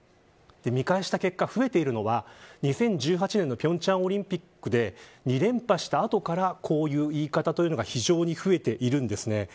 見返した結果、増えているのは２０１８年の平昌オリンピックで２連覇したあとからこういう言い方というのが非常に増えているんですね。